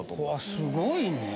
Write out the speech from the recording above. すごいね。